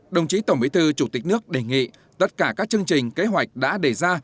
đồng chí tổng bí thư chủ tịch nước đề nghị tất cả các chương trình kế hoạch đã đề ra